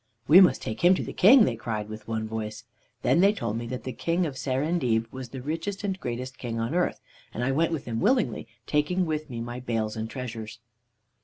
"'We must take him to the King,' they cried with one voice. "Then they told me that the King of Serendib was the richest and greatest king on earth, and I went with them willingly, taking with me my bales and treasures.